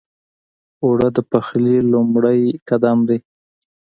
اوړه د پخلي لومړی قدم دی